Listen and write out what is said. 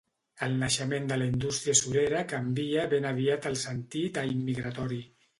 El naixement de la indústria surera canvia ben aviat el sentit a immigratori.